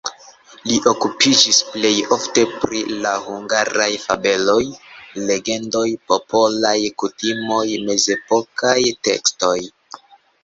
Li okupiĝis plej ofte pri la hungaraj fabeloj, legendoj, popolaj kutimoj, mezepokaj tekstoj.